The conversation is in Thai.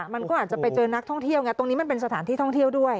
มันก็อาจจะไปเจอนักท่องเที่ยวไงตรงนี้มันเป็นสถานที่ท่องเที่ยวด้วย